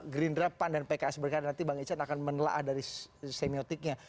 gerindra pan dan pks berkarya nanti bang ican akan menelaah dari semiotiknya